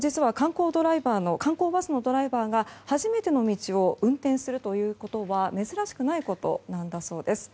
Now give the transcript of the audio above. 実は観光バスのドライバーが初めての道を運転するということは珍しくないことなんだそうです。